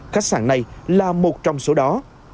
khách sạn này là một trong số đó